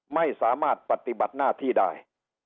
ไม่สามารถปฏิบัติหน้าที่ได้